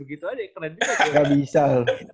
gitu aja keren juga gak bisa loh